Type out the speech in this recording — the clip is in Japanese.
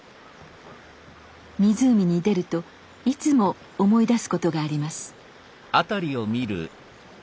湖に出るといつも思い出すことがあります。